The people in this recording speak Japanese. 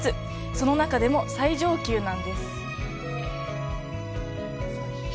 その中でも最上級なんです。